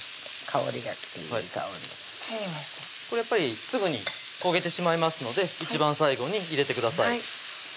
これやっぱりすぐに焦げてしまいますので一番最後に入れてください